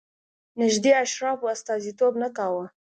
نږدې اشرافو استازیتوب نه کاوه.